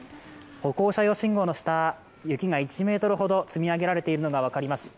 歩行者用信号の下雪が１ｍほど積み上げられているのが分かります。